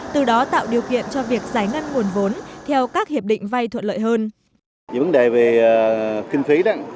từ đó tạo điều kiện cho việc giải ngân nguồn vốn theo các hiệp định vay thuận lợi hơn